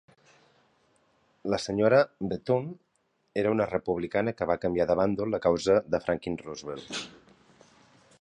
"La senyora Bethune era una republicana que va canviar de bàndol a causa de Franklin Roosevelt".